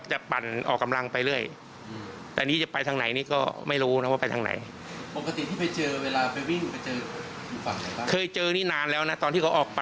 จะเป็นเส้นทางประจำ